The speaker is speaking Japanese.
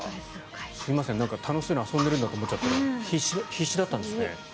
すみません、楽しそうに遊んでるのかと思ったら必死だったんですね。